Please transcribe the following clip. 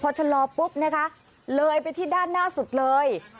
พอชะลอปุ๊บนะคะเลยไปที่ด้านหน้าสุดเลย